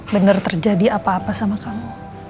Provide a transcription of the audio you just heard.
benar terjadi apa apa sama kamu